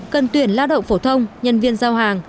cần tuyển lao động phổ thông nhân viên giao hàng